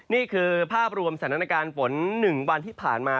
นี่คือภาพรวมสถานการณ์ฝน๑วันที่ผ่านมา